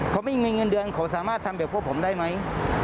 เขาไม่มีเงินเดือนเขาสามารถทำแบบพวกผมได้ไหม